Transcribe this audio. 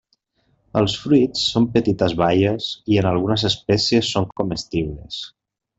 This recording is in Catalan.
Els fruits són petites baies i en algunes espècies són comestibles.